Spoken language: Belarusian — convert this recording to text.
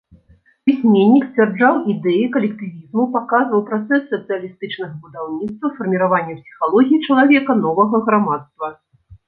Пісьменнік сцвярджаў ідэі калектывізму, паказваў працэс сацыялістычнага будаўніцтва, фарміравання псіхалогіі чалавека новага грамадства.